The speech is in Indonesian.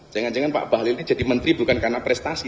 jangan jangan pak bahlil ini jadi menteri bukan karena prestasi